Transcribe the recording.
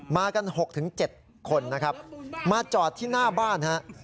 มากัน๖๗คนนะครับมาจอดที่หน้าบ้านฮะ